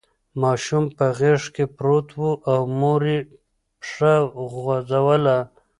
ماشوم په غېږ کې پروت و او مور یې پښه خوځوله.